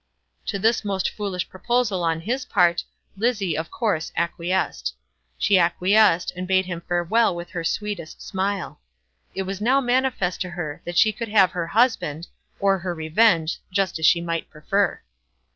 To this most foolish proposal on his part, Lizzie, of course, acquiesced. She acquiesced, and bade him farewell with her sweetest smile. It was now manifest to her that she could have her husband, or her revenge, just as she might prefer.